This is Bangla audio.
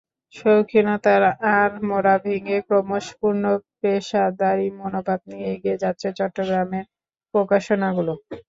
শৌখিনতার আড়মোড়া ভেঙে ক্রমশ পূর্ণ পেশাদারি মনোভাব নিয়ে এগিয়ে যাচ্ছে চট্টগ্রামের প্রকাশনাগুলো।